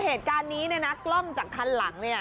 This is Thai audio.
เหตุการณ์นี้เนี่ยนะกล้องจากคันหลังเนี่ย